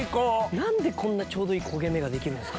何でこんなちょうどいい焦げ目ができるんですか。